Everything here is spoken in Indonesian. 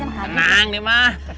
nang nih mah